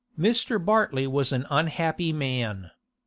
Mr. Bartley was an unhappy man.